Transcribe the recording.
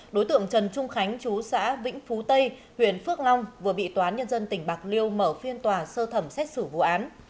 đối tượng trần trung khánh chú xã vĩnh phú tây huyện phước long vừa bị tòa án nhân dân tỉnh bạc liêu mở phiên tòa sơ thẩm xét xử vụ án